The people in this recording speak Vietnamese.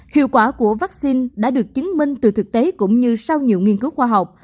hiệu quả của vaccine đã được chứng minh từ thực tế cũng như sau nhiều nghiên cứu khoa học